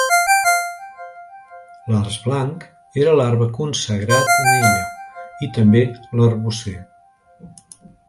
L'arç blanc era l'arbre consagrat a ella i també l'arbocer.